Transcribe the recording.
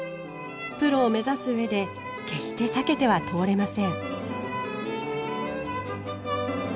プロを目指すうえで決して避けては通れません。